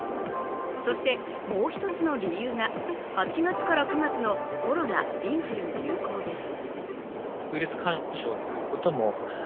そして、もう一つの理由が８月から９月のコロナ・インフルの流行です。